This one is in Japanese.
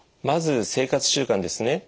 まず生活習慣ですね。